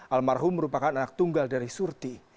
almarhum merupakan anak tunggal dari surti